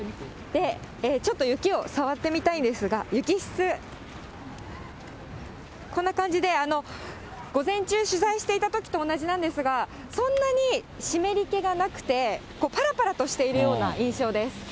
ちょっと雪を触ってみたいんですが、雪質、こんな感じで、午前中、取材していたときと同じなんですが、そんなに湿り気がなくて、ぱらぱらとしているような印象です。